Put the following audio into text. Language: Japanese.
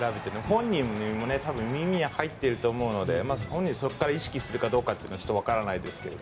本人も耳に入っていると思うので本人、そこから意識するかはわからないですが。